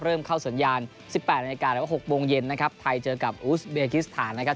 เริ่มเข้าสัญญาณ๑๘นาฬิกาแล้วก็๖โมงเย็นนะครับไทยเจอกับอูสเบกิสถานนะครับ